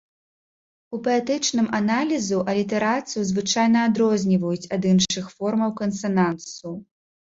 У паэтычным аналізу алітэрацыю звычайна адрозніваюць ад іншых формаў кансанансу.